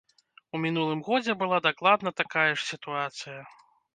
У мінулым годзе была дакладна такая ж сітуацыя.